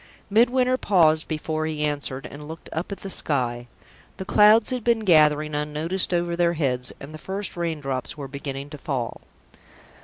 Midwinter paused before he answered, and looked up at the sky. The clouds had been gathering unnoticed over their heads, and the first rain drops were beginning to fall.